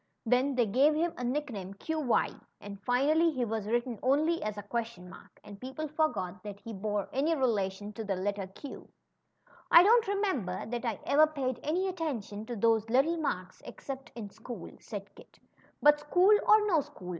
Then they gave him a nickname, ^Qy'; and finally he was written only ?, and people forgot that he bore any relation to the letter Q." don't remember that I ever paid any attention to those little marks, except in school," said Kit ; but school or no school.